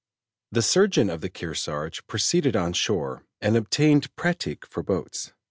The surgeon of the Kearsarge proceeded on shore and obtained pratique for boats.